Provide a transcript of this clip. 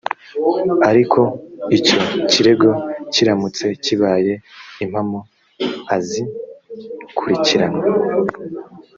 ariko icyo kirego kiramutse kibaye impamo azkurikiranwe.